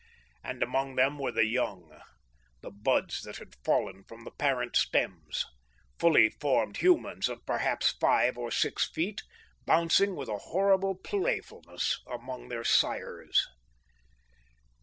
And among them were the young, the buds that had fallen from the parent stems, fully formed humans of perhaps five or six feet, bouncing with a horrible playfulness among their sires.